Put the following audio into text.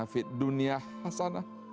fit dunia hasana